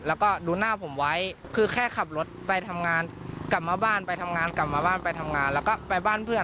แล้วก็ดูหน้าผมไว้คือแค่ขับรถไปทำงาน